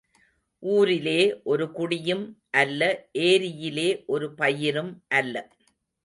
ஊரிலே ஒரு குடியும் அல்ல ஏரியிலே ஒரு பயிரும் அல்ல.